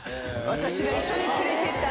私が一緒に連れてって。